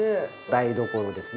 台所ですね。